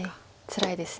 つらいです。